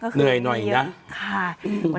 เหนื่อยหน่อยนะ